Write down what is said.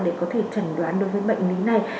để có thể chẩn đoán đối với bệnh lý này